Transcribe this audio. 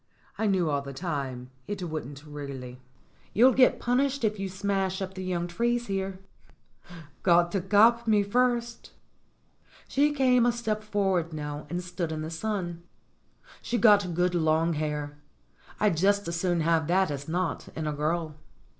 I knew all the time it wouldn't really." "You'll get punished if you smash up the young trees here." "Got to cop me first." She came a step forward now and stood in the sun. She'd got good long hair. I'd just as soon have that as not, in a girl.